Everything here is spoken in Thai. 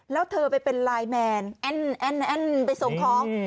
แล้วเธอไปเป็นไลน์แมนแอ้นไปส่งของ